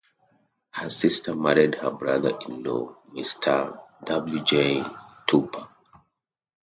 Her sister married her brother-in-law, Mr. W. J. Tupper.